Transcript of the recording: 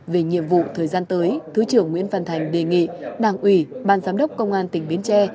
về nhiệm vụ thời gian tới thứ trưởng nguyễn văn thành đề nghị đảng ủy ban giám đốc công an tỉnh biến tre